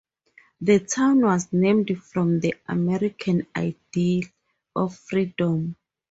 The town was named from the American ideal of freedom.